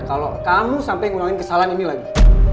kalau kamu sampai ngulangin kesalahan ini lagi